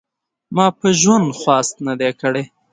ما په ژوند خواست نه دی کړی .